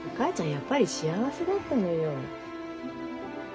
やっぱり幸せだったのよ。